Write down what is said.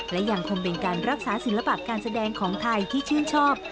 และยังคงเป็นการรักษาศิลปะการแสดงของไทยที่ชื่นชอบ